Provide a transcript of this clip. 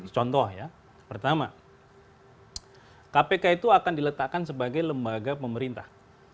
contoh ya pertama kpk itu akan diletakkan sebagai lembaga pemerintah